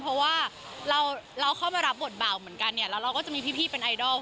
เพราะว่าเราเข้ามารับบทบาทเหมือนกันเนี่ยแล้วเราก็จะมีพี่เป็นไอดอล